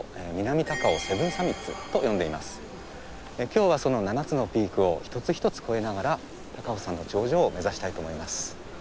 今日はその７つのピークを一つ一つ越えながら高尾山の頂上を目指したいと思います。